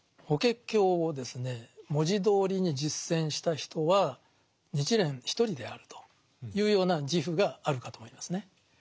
「法華経」をですね文字どおりに実践した人は日蓮一人であるというような自負があるかと思いますね。